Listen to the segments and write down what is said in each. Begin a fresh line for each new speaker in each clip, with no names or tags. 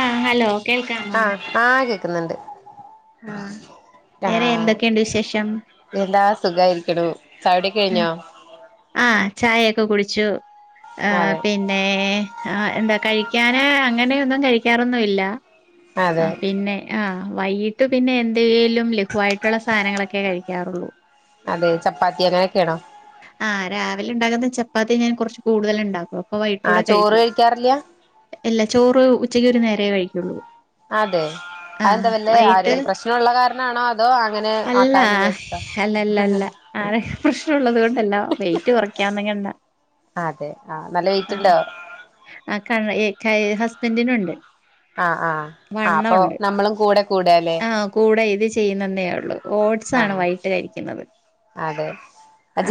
ആഹ് hello കേൾക്കാമോ
ആഹ് ആഹ് കേക്കുന്നുണ്ട്
ആഹ് വേറെ
ആഹ്
എന്തൊക്കെയുണ്ട് വിശേഷം
എന്താ സുഖമായിരിക്കുണു ചായ കുടിഒക്കെ കഴിഞ്ഞോ
ആഹ് ചായയൊക്കെ കുടിച്ചു ആഹ്
അതെ
പിന്നെ പിന്നെ ആഹ് എന്താ കഴിക്കാന് അങ്ങനെയൊന്നും കഴിക്കാറൊന്നുംല്ല
അതെ
പിന്നെ ആഹ് വൈകിട്ട് പിന്നെ എന്തേലും - ലും ഘുവായിട്ടുള്ള സാധനങ്ങളൊക്കെ കഴിക്കാറുള്ളൂ
അതെ ചപ്പാത്തി അങ്ങനെയൊക്കെയാണോ
ആഹ് രാവിലെ ഉണ്ടാകുന്ന ചപ്പാത്തി ഞാൻ കുറച്ച് കൂടുതൽ ഉണ്ടാക്കും അപ്പം വൈകിടുട്ടെ
ആഹ് ചോറ്
കഴിക്കും
കഴിക്കാറില്ല
ഇല്ല ചോറ് ഉച്ചക്ക് ഒരു നേരേ കഴിക്കുള്ളൂ
അതെ
ആഹ്
അതെന്താ വല്ലേ
വൈകിട്ട്
ആരോഗ്യ പ്രശ്നം ഉള്ള കാരണാണോ അതോ അങ്ങനെ
അല്ല
ആക്കാന്ന് വിചാരിച്ചട്ടാ
അല്ലല്ലല്ല ആരോഗ്യ പ്രശ്നം ഉള്ളത് കൊണ്ടല്ലോ വെയിറ്റ് കുറയ്ക്കന്നങ്ങണ്ട
അതെ ആഹ് നല്ല വെയിറ്റ് ഉണ്ടോ
ആഹ് ക ഏഹ് ക ഹസ്ബന്റിനൊണ്ട്
ആഹ് ആഹ് ആഹ് അപ്പൊ നമ്മളും കൂടെ കൂടുകാല്ലേ
ആ കൂടെ ഇത് ചെയ്യുന്നന്നേയൊള്ളൂ ഓട്സാണ്
ആഹ്
വൈകിട്ട് കഴിക്ക്ന്നത്
അതെ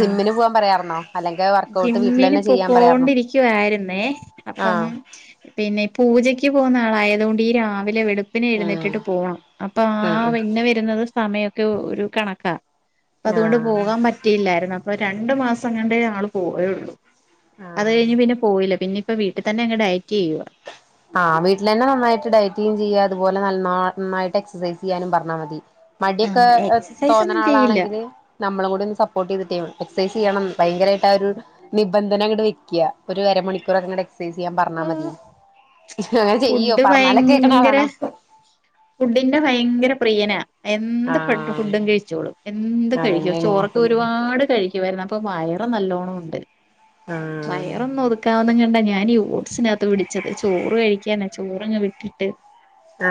ആഹ്
പോവാൻ പറയാറുന്നോ അല്ലെങ്കിൽ വർക്കഔട്ട് വീട്ടിൽ
ജിമ്മിന്
തന്നെ ചെയ്യാൻ പറയാറുന്നോ
പോക്കോണ്ടിരിക്കുവായിരുന്നേ അപ്പം
ആഹ്
പിന്നെ പൂജക്ക് പോകുന്ന ആളായതുകൊണ്ടീ രാവിലെ വെളു പ്പിനെ
ഉം
എഴുന്നേറ്റിട്ട് പോണം അപ്പൊ
ഉം
ആഹ്
ഉം
പിന്നെ വരുന്നത് സമയവൊക്കെ ഒരു കണക്കാ ഇപ്പതുകൊണ്ട്
ആഹ്
പോകാൻ പറ്റിയില്ലായിരുന്നു അപ്പൊ രണ്ടു മാസം എങ്ങാണ്ടേ ആള് പോയൊള്ളു അത്
ആഹ്
കഴിഞ്ഞ് പിന്നെ പോയില്ല പിന്നെ ഇപ്പ വീട്ടി തന്നെ അങ്ങ് ഡയറ്റ് ചെയ്യുവാ
ആഹ് വീട്ടിലന്നെ നന്നായിട്ട് ഡയറ്റെയ്യേം ചെയ്യുക അതുപോലെ നൽന്നായിട്ട് എക്സസൈസ് ചെയ്യാനും പറഞ്ഞാ മതി
ആ
മടിയൊക്കെ എഹ്
എക്സസൈസ് ഒന്നും ചെയ്യില്ല
തോന്നണാളാണെങ്കില് നമ്മളും കൂടെയൊന്ന് സപ്പോർട്ട് ചെയ്തിട്ടേ എക്സൈസ് ചെയ്യണം ഭയങ്കരായിട്ട് ആ ഒരു നിബന്ധന അങ്ങട് വെക്ക്യ ഒരു അര മണിക്കൂറങ്ങട് എക്സൈസ് ചെയ്യാൻ
ഓ,
പറഞ്ഞാ മതി അങ്ങനെ ചെയ്യ്വോ
ഫുഡ്
പറഞ്ഞാലൊക്കെ
ഭയങ്കര
കേക്കണാളാണോ
ഫുഡിന്റെ ഭയങ്കര പ്രിയനാ എന്ത്
ആഹ്
ഫുഡും കഴിച്ചോളും എന്ത് കഴിക്കും
അതന്നെയാണ്
ചോറക്ക ഒരുപാട് കഴിക്കുവാരുന്നു അപ്പം വയറ് നല്ലോണം ഒണ്ട്
ആഹ്
വയറൊന്നൊത് ക്കാവുന്നും കണ്ടാ ഞാനീ ഓട്സിനാത്ത് പിടിച്ചത് ചോറ് കഴിക്കാനാ ചോറങ്ങ് വിട്ടിട്ട്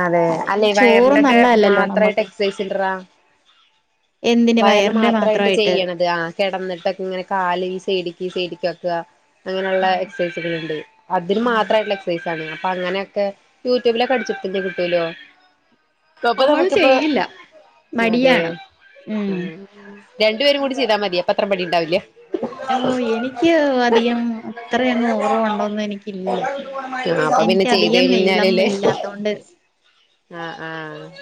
അതെ
അല്ലേലും
അല്ല ഈ
ചോറ്
വയറിന്റെക്കെ
നല്ലതല്ലല്ലോ
മാത്രായിട്ട്
നമുക്ക്
എക്സസൈസ് ഇണ്ട്റാ
എന്തിന്
വയറ്
വയറിന്റെ
മാത്രായിട്ട്
മാത്രമായിട്ട്
ചെയ്യണത് ആഹ് കെടന്നിട്ടക്ക്ങ്ങനെ കാല് ഈ സൈഡ്ക്ക് സൈഡ്ക്ക് ആക്കുക അങ്ങനൊള്ള
ആഹ്
എക്സസൈസുകള്ണ്ട് അതിന്
ആഹ്
മാത്രായിട്ടുള്ള എക്സസൈസ് ഇതാണ് അപ്പൊ അങ്ങനെയൊക്കെ യൂട്യൂബിലൊക്കെ അടിച്ചൊടുത്തിട്ട്ണ്ടെങ്കി കിട്ടൂലോ അപ്പൊ
ആള്
നമുക്കിപ്പൊ
ചെയ്യില്ല
അതെ
മടിയാണ്
ഉം രണ്ടുപേരും കൂടി ചെയ്താ മതി അപ്പ അത്ര മടിണ്ടാവില്ല്യ
എഹോ എനിക്ക് അധികം അത്ര അങ്ങ് ഓവറ് വണ്ണം ഒന്നും എനിക്കില്ല
ആ അപ്പൊ പിന്നെ ചെയ്ത്
എനിക്കധികം നീളം ഇല്ലാത്തോണ്ട്
ആഹ് ആഹ്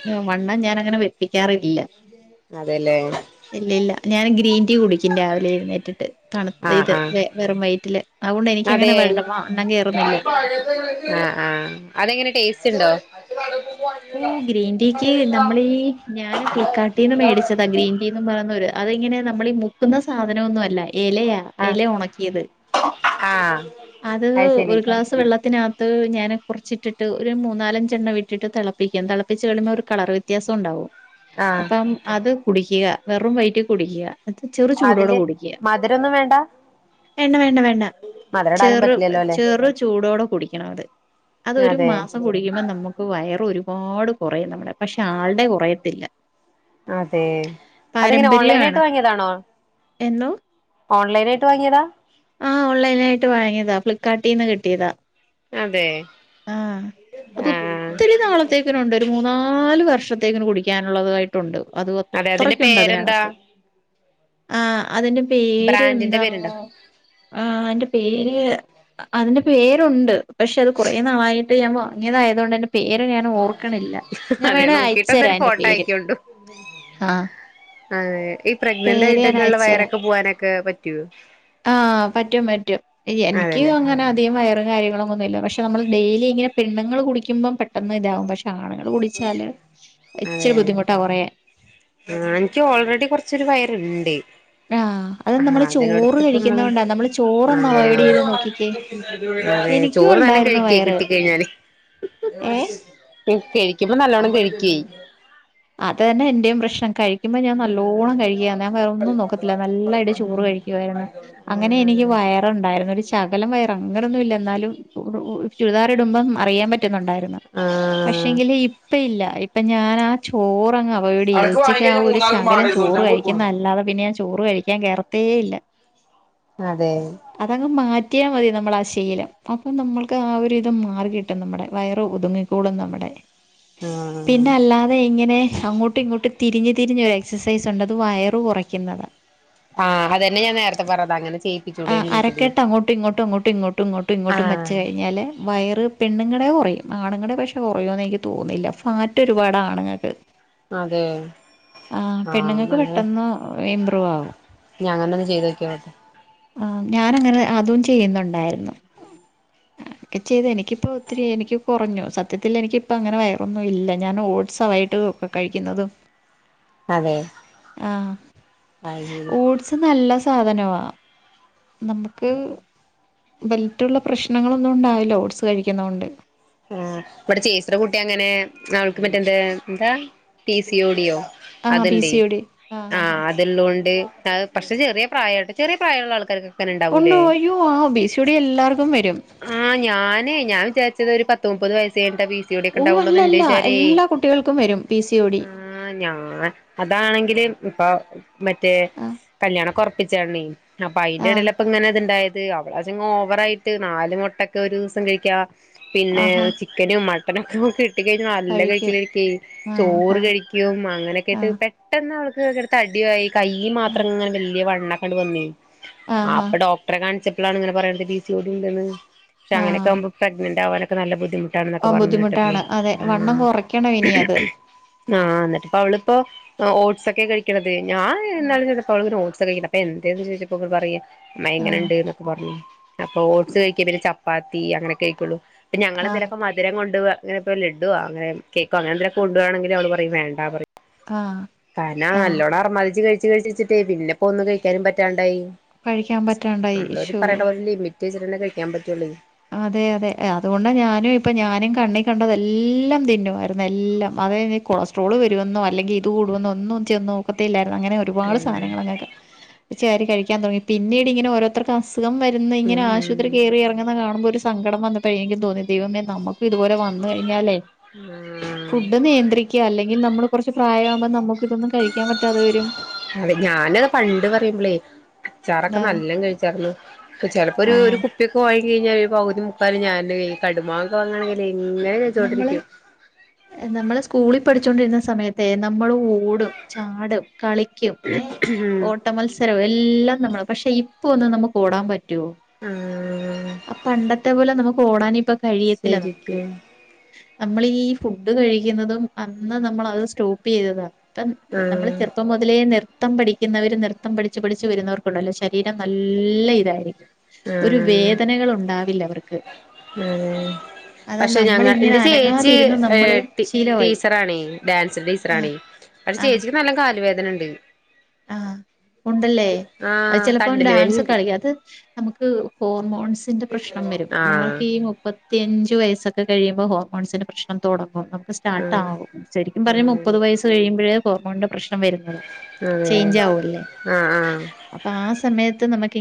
ഏഹ് വണ്ണം ഞാനങ്ങനെ വെപ്പിക്കാറില്ല
അതെല്ലേ
ഇല്ലില്ല ഞാൻ ഗ്രീൻ ടീ കുടിക്കും രാവിലെ എഴ്ന്നേറ്റിട്ട്
ആ
തണ്ത്ത ഇത്
ആ
വെ വെറും വയറ്റില് അതുകൊണ്ട് എനിക്കങ്ങനെ വെല്ല വ ണ്ണം കേറുന്നില്ല
[unintelligible] ആഹ് ആഹ് അതെങ്ങനെ ടേസ്റ്റ്ണ്ടോ
ഓഹ് ഗ്രീൻ ടീക്ക് നമ്മളീ ഞാന് ഫ്ലിപ്പ്കാർട്ടീന്ന് മേടിച്ചതാ ഗ്രീൻ ടീന്ന് പറയുന്നൊരു അത് ഇങ്ങനെ നമ്മളീ മുക്കുന്ന സാധനം ഒന്നും അല്ല എലയാ
ആഹ്
എല ഒണക്കിയത്
ആഹ്
അത് ഒരു ഗ്ലാസ് വെള്ളത്തിനാത്ത് ഞാൻ കൊർച്ചിട്ടിട്ട് ഒരു മൂന്നാലഞ്ചെണ്ണം ഇട്ടിട്ട് തെള പ്പിക്കാൻ തെളപ്പിച്ച് കളിമ്പോ ഒരു കളറ് വ്യത്യാസം ഒണ്ടാവും
ആഹ്
അപ്പം അത് കുടിക്കുക വെറും വൈറ്റി കുടിക്കുക അത് ചെറു ചൂടോടെ
അതില്
കുടിക്കുക
മധുരൊന്നും വേണ്ട
വേണ്ട വേണ്ട വേണ്ട
മധുരം ഇടാനും
ചെറു
പറ്റില്ലല്ലോ അല്ലെ
ചെറു ചൂടോടെ കുടിക്കണം അത് അതൊരു
അതെ
മാസം കു ടിക്കുമ്പ നമ്മുക്ക് വയറ് ഒരുപാട് കൊറയും നമ്മടെ പക്ഷെ ആൾടെ കൊറയത്തില്ല
അതേ അതിങ്ങനെ ഓൺലൈനായിട്ട് വാങ്ങിയതാണോ
എന്നോ
ഓൺലൈനായിട്ട് വാങ്ങിയതാ
ആഹ് ഓൺലൈനായിട്ട് വാങ്ങിയതാ ഫ്ളിപ്കാട്ടിന്ന് കിട്ടിയതാ
അതേ
ആഹ് അതൊത്തിരി നാളത്തേക്കിനൊണ്ട് ഒരു മൂന്നാല് വർഷത്തേക്കിന് കുടിക്കാനൊള്ളതാ ട്ടൊണ്ട് അത്
അതെ അതിന്റെ
അത്രെക്കൊണ്ട്
പേരെന്താ
അതിനകത്ത് ആഹ് അതിന്റെ പേര്
ബ്രാൻഡിന്റെ
എന്താ
പേരുണ്ടോ
ആഹ് അതിന്റെ പേര് അതിന്റെ പേരോണ്ട് പക്ഷെ അത് കൊറേ നാളായിട്ട് ഞാൻ വാങ്ങിയതായതു കൊണ്ട പേര് ഞാന് ഓർക്കണില്ല ഞാൻ
അതെ
വേണേ
നോക്കിട്ട്
അയച്ചരാ
എന്തൊരു
അതിന്റെ
ഫോട്ടോ
പേര്
അയക്കോണ്ടു
ആഹ്
അതെ ഈ പ്രഗ്നന്റ്
പേര് ഞാൻ
ആയിട്ടൊക്കെ ഒള്ള
അയച്ചരാ
വയറൊക്കെ പോവാനൊക്കെ പറ്റുവോ
ആഹ് പറ്റും പറ്റും എനിക്ക്
അതെല്ലേ
അങ്ങനെ അധികം വയറും കാര്യങ്ങളും പക്ഷെ നമ്മള് ഡെയിലി ഇങ്ങനെ പെണ്ണ്ങ്ങള് കുടിക്കുമ്പോ പെട്ടെന്ന് ഇതാവും പക്ഷെ ആണ്ങ്ങള് കുടിച്ചാല്
അതെ
ഇച്ചിരി ബുദ്ധിമുട്ടാ കൊറയാൻ
ആഹ് എനിക്ക് ഓൾറെഡി കൊറച്ചൊരു വയറ്ണ്ട്
ആഹ് അത്
ആഹ്
നമ്മള് ചോറ്
അതിനടുത്ത്പ്പ നമ്മള്
കഴിക്കുന്നോണ്ടാ ചോറൊന്ന്
ആഹ്
അവോയ്ഡ് ചെയ്ത് നോക്കിക്കേ
അതെ
എനിക്കും
ചോറ് നല്ലം
ഉണ്ടായിരുന്നു
കഴിക്കേ
വയറ്
കിട്ടിക്കഴിഞ്ഞാല്
ഏഹ്
കെഴിക്കുമ്പോ നല്ലോണം കെഴിക്കെ
അത് തന്നെ എന്റെയും പ്രശ്നം കഴി കുമ്പം ഞാൻ നല്ലോണം കഴിക്കും അന്നേരം വേറെ ഒന്നും നോക്കത്തില്ലാ നല്ലായിട്ട് ചോറ് കഴിക്കുവാരുന്നു അങ്ങനെ എനിക്ക് വയറൊണ്ടാരുന്നു ഒരു ചെ ശകലം വയറ് അങ്ങനൊന്നും ഇല്ല എന്നാലും ചുരിദാർ ഇടുമ്പം അറിയാൻ പ റ്റ്ന്നൊണ്ടാര്ന്ന്
ആഹ് ആഹ്
പക്ഷെങ്കില് ഇപ്പ ഇല്ല ഇപ്പ ഞാനാ ചോറങ്ങ് അവോയിഡ് ചെയ്തു
അനക്ക്
ഉച്ചക്ക് ആ
വാങ്ങിക്കഴിഞ്ഞാ
ഒരു
മൂന്നാൾക്ക്
ശകലം
മാണ്ടേരും
ചോറ്
നൂറ്റമ്പത് ഉറുപ്യ കൊടുക്കണം
കഴിക്കുന്നതല്ലാതെ പിന്നെ ഞാൻ ചോറ് കഴിക്കാൻ കേറത്തേ ഇല്ല
അതെ
അതങ്ങ് മാറ്റിയാ മതി നമ്മളാ ശീലം അപ്പൊ നമ്മൾക്ക് ആ ഒരിത് മാറി കിട്ടും നമ്മുടെ വയറ് ഒതുങ്ങി ക്കോളും നമ്മുടെ
ആഹ്
പിന്നെ അല്ലാ തെ ഇങ്ങനെ അങ്ങോട്ടും ഇങ്ങോട്ട് തിരിഞ്ഞ് തിരിഞ്ഞൊരു എക്സസൈസ് ഒണ്ട് അത് വയറ് കൊറയ്ക്കുന്നതാ
ആഹ് അതന്നെ ഞാൻ നേരത്തെ പറഞ്ഞത് അങ്ങനെ ചെയ്
അരക്കേട്ട് അങ്ങോട്ടും ഇങ്ങോട്ടും അങ്ങോട്ടും ഇങ്ങോട്ടും ഇങ്ങോട്ടും ഇങ്ങട്ടും വെച്ച്
ആഹ്
കഴിഞ്ഞാല് വയറ് പെണ്ണുങ്ങടെ കൊറയും ആണുങ്ങടെ പക്ഷെ കൊറയുമെന്ന് എനിക്ക് തോന്നുന്നില്ല ഫാറ്റ് ഒരുപാടാ ആണുങ്ങക്ക്
അതെ
ആഹ് പെണ്ണുങ്ങക്ക് പെട്ടന്ന് ഇംമ്പ്രൂവ് ആവും
ഞാനൊന്ന് ചെയ്തോക്കിയോട്ടെ
ആഹ് ഞാനങ്ങനെ അതും ചെയ്യുന്നൊണ്ടാരുന്നു ഒക്കെ ചെയ്ത് എനിക്കിപ്പോ ഒത്തിരി എനിക്ക് കൊറഞ്ഞു സത്യത്തിൽ എനിക്കിപ്പം അങ്ങനെ വയറൊന്നും ഇല്ല ഞാൻ ഓട്സ്സാ വൈയിട്ട് കഴിക്കുന്നതും
അതെ
ആഹ്
അത് ശരി
ഓട്സ് നല്ല സാധനവാ നമുക്ക് ബെൽറ്റുള്ള പ്രശ്നങ്ങളൊന്നും ഒണ്ടാവില്ല ഓട്സ് കഴിക്കുന്നക്കൊണ്ട്
ആഹ് ഇവിടെ ചേച്ചിടെ കുട്ടി അങ്ങനെ അവൾക്ക് മറ്റെന്ത എന്താ പി സി ഒ ടിയോ
ആ ബി
അത്ണ്ടെ
സി ഒ ഡി ആ ആ ആ
ആഹ് അ തുള്ളൊണ്ട് അത് പക്ഷെ ചെറിയ പ്രായാ ട്ടൊ ചെറിയ പ്രായമുള്ള ആൾക്കാർക്കെ
ഉണ്ട് അയ്യോ ആഹ് പി സി ഒ ടി എല്ലാവർക്കും വരും
ആ ഞാനേ ഞാൻ വിചാരിച്ചത് ഒരു പത്ത് മുപ്പത് വയസ്സ് കഴിഞ്ഞിട്ടാ പി സി ഡി ഒക്കെ
ഓ
ഉണ്ടാവുള്ളൂന്ന് എന്റെ
അല്ലല്ല
വിചാരേ
എല്ലാ കുട്ടികൾക്കും വരും പി സി ഓ ടി
ആഹ് ഞാൻ അതാണെങ്കിലെ ഇപ്പൊ മറ്റേ
ആ
കല്യാണക്കൊറ പ്പിച്ചാണെ അപ്പം അതിന്റെ
ആ
ഇടയില ഇപ്പൊ ഇങ്ങനെ അത്ണ്ടായത് അവളതങ് ഓവറായിട്ട് നാല് മുട്ടക്കെ ഒരു ദിവസം കഴിക്കാ പിന്നെ
ആഹാ
ചിക്കനും മട്ടനൊക്കെ ഒക്കെ കിട്ട് നല്ല കഴിക്കൽ കഴിക്കും
ആ
ചോറ്
ആ
കഴിക്കും
ആ
അങ്ങനെയൊക്കെയായിട്ട് പെട്ടെന്ന് അവക്ക് തടായി കയ്യി മാത്രംങ്ങനെ വലിയ വണ്ണക്കണ്ട് വന്ന ആ അപ്പൊ ഡോക അത്ര കാണിച്ചപ്പളാണ് ഇങ്ങനെ പറയുന്നത് ബിസി ഒടി ഉണ്ടെന്ന് പക്ഷ
ആ
അങ്ങനെയൊക്കെകുമ്പൾ പ്രഗ്നന്റ് ആകാനൊക്കെ നല്ല ബുദ്ധിമു് ട്ടാന്നൊക്കെ
ആ
പറഞ്ഞു കേട്ടപ്പളെ
ബുദ്ധിമുട്ടാണ് അതെ വണ്ണം
ആഹ്
കുറയ്ക്കണം ഇനി അത്
ആഹ എന്നിട്ടിപ്പ അവളിപ്പോ ഓട്ട്സഒക്കെ കഴിക്കണത് ഞാൻ എന്നാലും അവളിങ്ങനെ ഓട്സ് ഒക്കെ കഴിക്കിണ്ട് അപ്പ ഞാൻ എന്തന്ന് ചോയ്ച്ചപ്പ അവൾ പറയ അ
ആ
എങ്ങനെണ്ട് എന്നൊക്കെ പറഞ്ഞു അപ്പൊ ഓട്സ് കഴിക്കുക പിന്നെ ചപ്പാത്തി അങ്ങനൊക്കെ കഴക്കുള്ളൂ
ആ
ഞങ്ങെളന്തലൊക്കെ മാറ്റ മധുരം കൊണ്ട് പോവാ അങ്ങെ ഇപ്പോ ലഡോ അങ്ങനെ കേക്ക അങ്ങനെക്ക കൊണ്ടു പോവാണെങ്ക അവൾ വേണ്ട പറയും വേണ്ട പറയും
ആഹ്
കാരണം ആ നല്ലോണം അറമാധിച്ചു കഴിച്ച് കഴിച്ചച്ചിട്ടേ പിന്നെപ്പോ ഒന്നും കഴിക്കാനും പറ്റാണ്ടായി
കഴിക്കാൻ പറ്റാണ്ടായി
നമ്മള്
ശോ
ഒരു ലിമിറ്റ് വെച്ചിട്ടെ കഴിക്കാൻ പറ്റുള്ളൂ
അതെ അതെ അതുകൊണ്ട് ഞാനും ഇപ്പൊ ഞാനും കണ്ണി കണ്ടത് എല്ലാം തിന്നുമായിരുന്നു എല്ലാം അത കൊളസ്ട്രോൾ വരുമെന്നോ അല്ലെങ്കിൽ ഇത് കൂടുവോ ഒന്നും ചെന്നോ ത്തില്ലായിരുന്നു അങ്ങനെ ഒരു പാട്
ഉം
സാധനങ്ങൾ അങ്ങനെ വലിച്ചാരി കഴിക്കാൻ തുടങ്ങി പിന്നീട് ഇങ്ങനെ ഓരോ അത്രയ്ക്ക്സുഖം വരുന്ന ഇങ്ങനെ ആശുപത്രി
ഉം
കയറിയിറങ്ങുന്ന കാണണം മ്പ ഒരു സങ്കടം വന്നപ്പോഴെങ്കും തോന്നി ദൈവമേ നമക്കും ഇതുപലെ വന്നു കഴിഞ്ഞാലേ
ആഹ്
ഫുഡ് നിയന്ത്രിക്കുക അല്ലെങ്കിൽ നമ്മൾ കുറച്ച് പ്രായമാകുമ്പോ നമുക്ക് ഇതൊന്ന കഴിക്കാൻ പറ്റാതെ വരും
അതെ ഞാനത് പണ്ട് പറയുമ്പളേ അച്ചാറൊക്കെ നല്ല കഴിച്ചരുന്നുപ്പ ചിലപ്പോ ഒരു
ആഹ്.
ഇപ്പൊക്കെ വാങ്ങി കഴിഞ്ഞൽ ഒരു പകുതി മുക്കാൽ ഞൻ ഈ കടുമാകൊക്കെ വങ്ങണമെങ്കിൽ ങ്ങനെ കഴിച്ചോണ്ടിരിക്കും
നമ്മൾ സ്കൂളിൽ പഠിച്ചോണ്ടിരുന്ന സമയത്തെ നമ്മൾ ഓടും ചാടും കളി ക്കും ഏഹ് ഓട്ട മത്സരവും എല്ലാം നമ്മള് പക്ഷെ ഇപ്പൊ ഒന്ന് നമുക്ക് ഓടാൻ പറ്റും റ്റോ
ആഹ്
ആ പണ്ടത്തെ പോലെ നമുക്ക് ഓടാന ഇപ്പൊ
ശരിക്കും
നമ്മൾ ഫുഡ് കഴിക്കുന്നതും അന്ന് നമ്മൾ അത് സ്റ്റോപ്പ് ചെയ്തതാ ഇപ്പം നമ്മള്
ആഹ്
ചെറുപ്പം മുതലേ നി നൃത്തം പഠിക്കുന്നവര് നൃത്തം പഠിച്ച് പഠിച്ച് വരുന്നവർക്കുണ്ടല്ലോ ശരീരം നല്ല ഇതായിരിക്കും ഒരു വേദനകൾ ഉണ്ടാവില്ല അവർക്ക്
ഉം
അത്
പക്ഷെ ഞങ്ങളെ
നമ്മളിങ്ങനെ
എന്റെ ചേച്ചി
അനങ്ങാതിരുന്ന് നമ്മള് ശീലമായി.
ടീച്ചറ ആണേ ഡാൻസിന്റെ
ആഹ്
ടീച്ചറണേ പക്ഷെ
ആ
ചേച്ചിക്ക് നല്ല കാല വേദനണ്ട്
ആഹ് ഉണ്ടല്ലേ അത്
ആഹ്
ചിലപ്പോ
തണ്ടല്
ഡാൻസ്ക്കെ
വേദനയുണ്ട്
കളിക്ക അത് നമുക്ക് ഹോർമോൺസിന്റെ പ്രശ്നം വരും
ആഹ്
നമ്മൾക്ക് ഈ മുപ്പ അറുപത്തിയഞ്ച് വയസ്സൊക്കെ കഴിയുമോ ഹോർമോൺസിന്റെ പ്രശ്നം തുടങ്ങും സ്റ്റാർട്ട്
ആഹ്
ആകും ശരിക്കും പറഞ്ഞ മുപ്പത്
ആഹ്
വയസ്സ് കഴിയുമ്പഴേ ഹോർമോണിന്റെ പ്രശ്നം വരുന്നതാണ്
ഉം ആഹ് ആഹ്
അപ്പൊ ആ സമയത്ത് നമക്ക്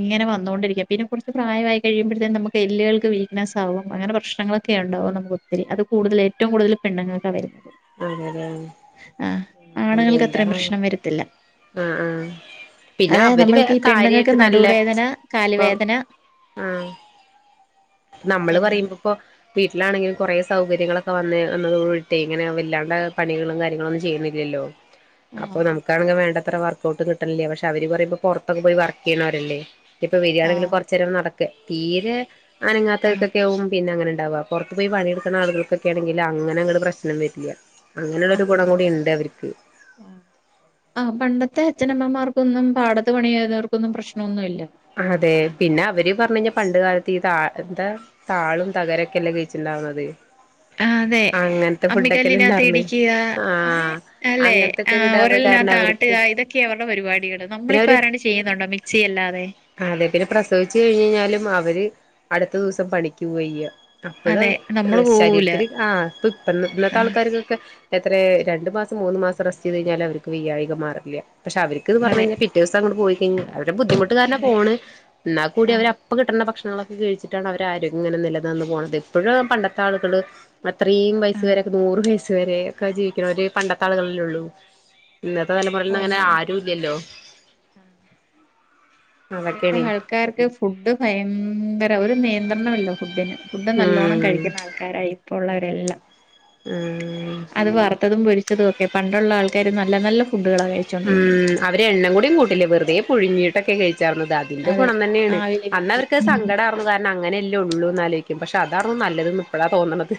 ഇങ്ങനെ വന്നോണ്ടിരിക്കാം പിന്നെ കുറച്ച് പ്രായമായി കഴിയുമ്പോഴത്തേും നമുക്ക് എല്ലുകൾക്ക് സൗം അങ്ങനെ പ്രശ്നങ്ങളൊക്കെ ഉണ്ടാകും നമുക്ക് ഒത്തിരി അത് കൂടുതൽ ഏറ്റവുംടുതൽ പെണ്ണുങ്ങൾക്ക വരുന്നത്
അങ്ങനെയാണ്
ആഹ് ആണുങ്ങൾക്ക് അത്രയും
എന്താണാവം
പ്രശ്നം വരത്തില്ല
ആഹ് ആഹ് പിന്നെ
അതായത്
അവര്
നമ്മൾക്ക് ഈ പെണ്ണുങ്ങൾക്ക്
കാര്യയിട്ട് നല്ല
നടുവേദന
ഇപ്പൊ
കാലുവേദന
ആഹ് നമ്മള്
വരുന്നത്
പറയുമ്പോ ഇപ്പോ വീട്ടിലാണെങ്കിലും കൊറെ സൗകര്യങ്ങളൊക്കെ വന്ന് വന്നതോണ്ട് കൂടിട്ടെ അങ്ങനെ വല്ലാണ്ട പണികളും കാര്യങ്ങളന്നും ചെയ്യുന്നില്ലല്ലോ
ആഹ്
അപ്പൊ നമു ക്കാണങ്കിൽ വേണ്ടത്ര വർക്ക്ഔട്ട കിട്ടില്ല പക്ഷെ അവര് പറയുമ്പോ പുറത്തൊക്കെ പോയി വർക്ക് ചെയ്യണവരല്ലേ ഇപ്പൊ വരിയാണെങ്കിലും
ആഹ്
കുറച്ച് നേരം നടക്ക തീരെ
ആഹ്
അനങ്ങാത്തവർക്കൊക്കെ ആവും പിന്നെ അങ്ങനെ ഉണ്ടാവാ പുറത്ത് പോയി പണിയെടുക്കുന്ന ആളുകൾകക്കെ ആണെങ്കി അങ്ങനങ്ങട്ട് പ്രശ് നംവരില്ല അങ്ങനെള്ളൊരു
ആഹ്
ഗുണം കൂടി ഉണ്ട് അവരിക്ക്
ആഹ് ആഹ് പണ്ടത്തെ അച്ഛനമ്മമാർക്കൊന്നും പാടത്ത് പണി ചെയ്ത വർക്കൊന്നും പ്രശ്നമൊന്നുമില്ല
അതെ പിന്നെ അവര് പറഞ് കഴിഞ്ഞാ പണ്ട് കാലത്ത് ഇതാ എന്താ താളും തകരൊക്കെല്ല കഴിച്ചിണ്ടാവുന്നത്
ആഹ് അതെ
അങ്ങനത്തെ ഫുഡൊക്കെല്ല ഉണ്ടാർന്ന്
അമ്മിക്കല്ലിനകത്തിടിക്കുക ആയെ
ആഹ്
അല്ലെ
അങ്ങനത്തൊക്കെ
ആ
ഒരു ഇതാവ
ഒരളിന
കാരണം
താട്ടുക
അവർക്ക്
ഇതൊക്കെയ അവരുടെ പരിപാടികള്
പിന്നെ
നമ്മളിപ്പോ
അവര്
[unintelligible] ചെയ്യുന്നുണ്ടോ മിക്സി അല്ലാതെ
അതെ പിന്നെ പ്രസവിച്ചു കഴിഞ്ഞാലും അവര് അടുത്ത ദിവസം പണിക്ക് പോവയ്യാ അപ്പോഴും
അതെ നമ്മള് പോവൂല
ശരീരത്തിന് ആ ഇപ്പ ഇപ്പം ഇന്നത്തെ
ആഹ്
ആൾക്കാര് എത്രെ രണ്ടു മാസം മൂന്ന് മാസം റസ്റ്റ് ചെയ്ത് കഴിഞ്ഞാലും അവർക്ക് വയ്യായിക മാറില്ല പക്ഷെ അവര് മറ്റേത് പറഞ്
അതെ
കഴിഞാൽ പിറ്റേ ദിവസംങ്ങോട്ട് പോയിക്കഴിഞ്ഞാൽ അവരുടെ ബുദ്ധിമുട്ടുകാരന
അതെ
പോണേ എന്നാൽ കൂടി അവര്
ആഹ്
അപ്പ കിട്ടേണ്ട ഭക്ഷണങ്ങളൊക്കെ കഴിച്ചിട്ടാണ് അവര് ആരോഗ്യ ഇങ്ങനെ നിലനിന്നു പോണത് ഇപ്പോഴും പണ്ടത്തെ ആളുകള് അത്രയും വയസ്
ആഹ്
വരെക്കെ നൂറ് വയസ് വരെക്കെ ജീവിക്കണോര് പണ്ടത്തെ ആളുകളല്ലേ ഉള്ളൂ ഇന്നത്തെ തലമുറയിൽന്ന് അങ്ങനെ
ഉണ്ട് ഉണ്ട്
ആരു ഇല്ലല്ലോ
ഇപ്പഴത്തെ
അതൊക്കെയാണ്
ആൾക്കാർക്ക് ഫുഡ് ഭയങ്കര ഒരു നിയന്ത്രണല്ലോ ഫുഡിന് ഫുഡ് നല്ലോണ്ണം
ഉം
കഴിക്കുന്ന ആൾക്കാരായി ഇപ്പോ ഉള്ളവരെല്ലാം
ഉം
അത് വറുത്തതും പൊരിച്ചതും ഒക്കെ പണ്ടുള്ള ആൾക്കാര് നല്ല നല്ല ഫുഡുകളാ കഴിച്ചേ
ഉം അവരെണ്ണ കൂടിയും കൂട്ടില്ലേ വെറുതെ പുഴുഞ്ഞിട്ടൊക്കെ കഴിച്ചാർന്നതാ എന്റെ
അതെ
ഗുണം തന്നെയാണ്
ആവിയില്
അന്ന
കേറ്റി
അവർക്ക്
ഉം
സങ്കട കാരണം അങ്ങനെയല്ലേ ഉള്ളൂന്ന് ആലോയിക്കും പക്ഷെ അതാ നല്ലത് ഇപ്പോഴാ തോന്നണത്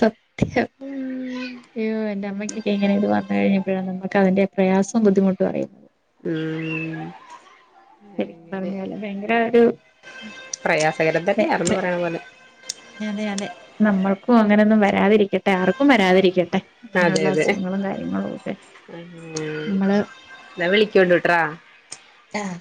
സത്യം അയ്യോ എന്റെ അമ്മയ്ക്കെങ്ങനെ ഇത് വന്നു കഴിഞ്ഞപ്പോഴാണ് നമുക്ക് അതിന്റെ പ്രയാസവും ബുദ്ധിമുട്ടും അറിയുന്നത്
ഉം
ശരിക്കും
അങ്ങെനെ
പറഞ്ഞാല് ഭയങ്കര ഒരു അതെ
പ്രയാസകരതന്നെയാർന്നു ആണന്ന് പറയണ പോലെ
അതെ അതെ നമ്മൾക്കും അങ്ങനെയൊന്നും വരാതിരിക്ക ട്ടെ ആർക്കും വരാതിരിക്കട്ടെ
അതെ
ഇങ്ങനെയുള്ള
അതെ
അസുഖങ്ങളും കാര്യങ്ങളും ഒക്കെ
ഉം
നമ്മള്
എന്നാ വിളികോണ്ടു ട്രാ
ആഹ്